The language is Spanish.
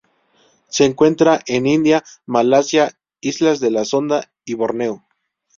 Se encuentra en India, Malasia, islas de la Sonda y Borneo.